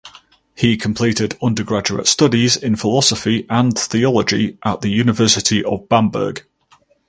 He completed undergraduate studies in philosophy and theology at the University of Bamberg.